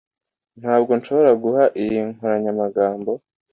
Ntabwo nshobora guha iyi nkoranyamagambo.